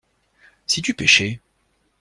Si tu pêchais.